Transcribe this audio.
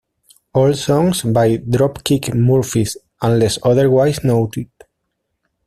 All songs by Dropkick Murphys unless otherwise noted.